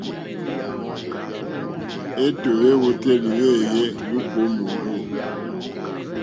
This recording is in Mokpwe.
Êtó èwòtélì wéèyé lùúkà ó mòrzô.